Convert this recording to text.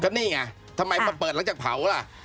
นี่ไงทำไมมาเปิดหลังจากเผาล่ะ